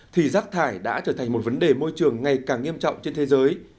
thì rác thải đã trở thành một vấn đề môi trường ngày càng nghiêm trọng trên thế giới